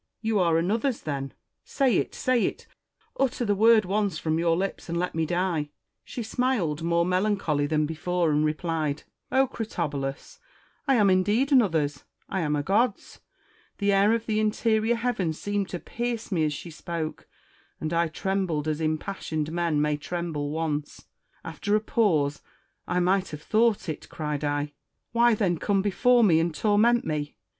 ' You are another's then ! Say it ! say it 1 utter the word once from your lips — and let me die 1 ' She smiled, more MARCUS TULLIUS AND QUINCTUS CICERO. 343 melancholy than before, and replied, ' O Oritobulus ! I am indeed another's : I am a god's.' The air of the interior heavens seemed to pierce me as she spoke \ and I trembled as impassioned men may tremble once. After a pause, ' I might have thought it !' cried I :' why then come before me and torment me